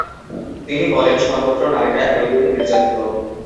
তিনি বলেন, সর্বত্র নারীরা একইভাবে নির্যাতিত।